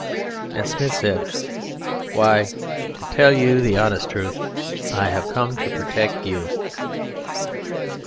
And Smith said: "Why, to tell you the honest truth, I have come to protect you."